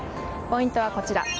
ポイントはこちら。